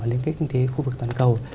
và liên kết kinh tế khu vực toàn cầu